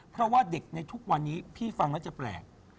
เพราะว่าเด็กในทุกวันนี้พี่ฟังแล้วจะแปลก